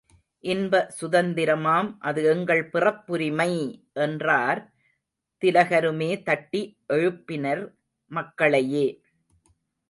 இன்ப சுதந்திரமாம் அது எங்கள் பிறப்புரிமை! என்றார் திலகருமே தட்டி எழுப்பினர் மக்களையே.